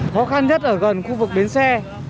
khó khăn nhất ở gần khu vực bến xe